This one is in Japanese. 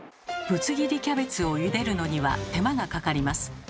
ぶつ切りキャベツをゆでるのには手間がかかります。